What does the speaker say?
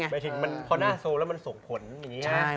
ไปถึงพอหน้าโซมมันมันส่งผลอันนี้